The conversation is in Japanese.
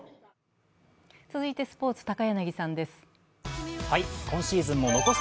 続いてスポーツ、高柳さんです。